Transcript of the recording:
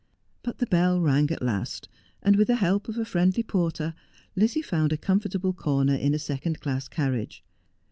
But the bell rang at last, and with the help of a friendly porter, Lizzie found a comfortable corner in a second class carriage.